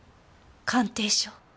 鑑定書？